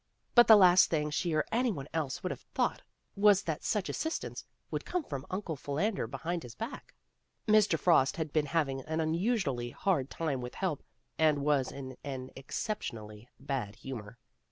But the last thing she or any one else would have thought was that such assistance would come from Uncle Philander Behind His Back. Mr. Frost had been having an unusually ha rd time with help and was in an exceptionally bad humor.